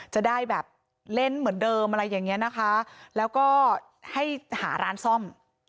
จะได้แบบเล่นเหมือนเดิมอะไรอย่างนี้นะคะแล้วก็ให้หาร้านซ่อม